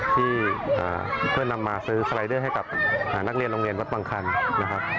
ที่เพื่อนนำมาซื้อไซเดอร์ให้กับนักเรียนรองเกี่ยววทวัฒน์สำคัญนะครับ